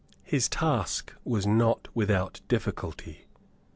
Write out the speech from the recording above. His task was not without difficulty.